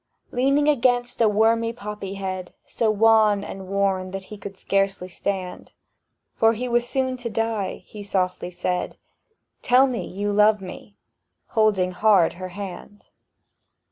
Leaning against a wormy poppy head, So wan and worn that he could scarcely stand, —For he was soon to die,—he softly said, "Tell me you love me!"—holding hard her hand.